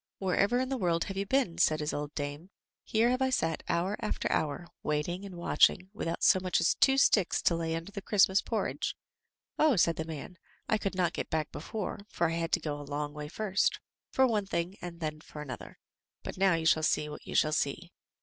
"Wherever in the world have you been?" said his old dame. "Here have I sat hour after hour, waiting and watching, with out so much as two sticks to lay under the Christmas porridge." "Oh!" said the man, "I could not get back before, for I had to go a long way first for one thing and then for another; but now you shall see what you shall see."